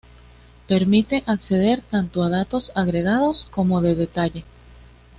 Permite acceder tanto a datos agregados como de detalle.